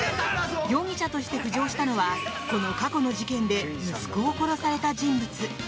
容疑者として浮上したのはこの過去の事件で息子を殺された人物。